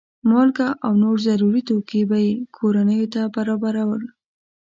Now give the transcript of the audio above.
مالګه او نور ضروري توکي به یې کورنیو ته برابرول.